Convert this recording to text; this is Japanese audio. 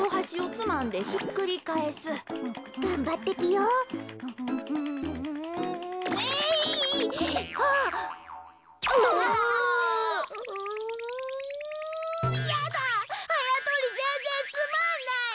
つまんない！